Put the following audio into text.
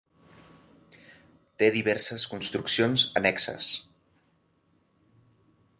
Té diverses construccions annexes.